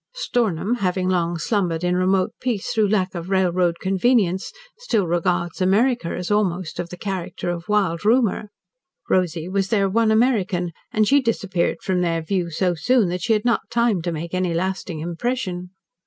Stornham, having long slumbered in remote peace through lack of railroad convenience, still regards America as almost of the character of wild rumour. Rosy was their one American, and she disappeared from their view so soon that she had not time to make any lasting impression.